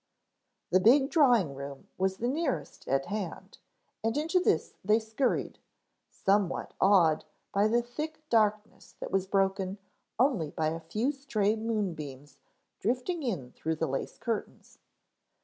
The big drawing room was the nearest at hand and into this they scurried, somewhat awed by the thick darkness that was broken only by a few stray moonbeams drifting in through the lace curtains.